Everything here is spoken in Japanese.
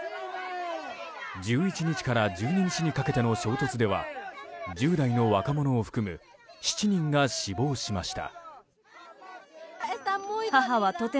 １１日から１２日にかけての衝突では１０代の若者を含む７人が死亡しました。